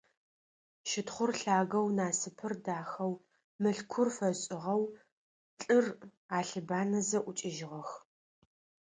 Щытхъур лъагэу, Насыпыр дахэу, Мылъкур фэшӏыгъэу, лӏыр алъыбанэзэ, ӏукӏыжьыгъэх.